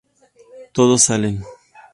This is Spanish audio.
Todos salen.